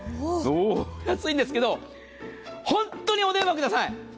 安いんですけど、本当にお電話ください。